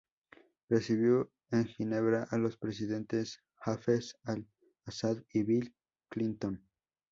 Recibió en Ginebra a los presidentes Hafez al-Asad y Bill Clinton.